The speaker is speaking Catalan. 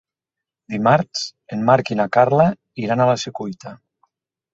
Dimarts en Marc i na Carla iran a la Secuita.